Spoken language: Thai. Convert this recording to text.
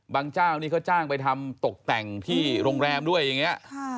เจ้านี่เขาจ้างไปทำตกแต่งที่โรงแรมด้วยอย่างนี้